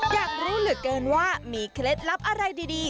อยากรู้เหลือเกินว่ามีเคล็ดลับอะไรดี